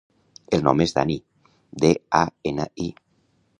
El nom és Dani: de, a, ena, i.